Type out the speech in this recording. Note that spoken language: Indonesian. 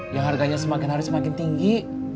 yang harganya semakin hari semakin tinggi